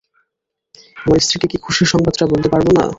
আমার স্ত্রীকে কি খুশির সংবাদটা বলতে পারবো না?